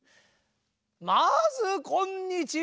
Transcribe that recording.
まずこんにちは。